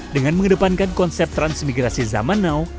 dengan mengedepankan konsep transmigrasi zaman now